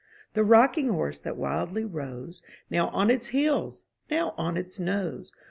The rocking horse that wildly rose. Now on its heels, now on its nose.